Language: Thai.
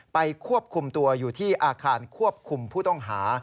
ควบคุมตัวอยู่ที่อาคารควบคุมผู้ต้องหา